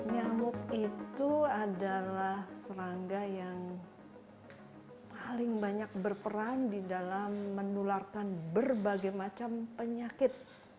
nyamuk itu adalah serangga yang paling banyak berperan di dalam menularkan berbagai macam penyakit